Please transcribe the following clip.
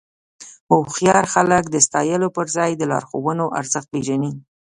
هوښیار خلک د ستایلو پر ځای د لارښوونو ارزښت پېژني.